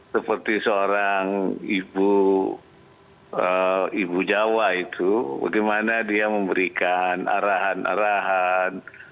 seperti seorang ibu jawa itu bagaimana dia memberikan arahan arahan